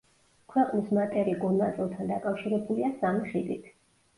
ქვეყნის მატერიკულ ნაწილთან დაკავშირებულია სამი ხიდით.